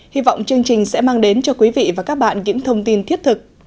hy vọng chương trình sẽ mang đến cho quý vị và các bạn những thông tin thiết thực